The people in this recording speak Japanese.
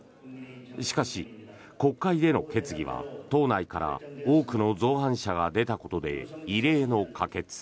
しかし、国会での決議は党内から多くの造反者が出たことで異例の可決。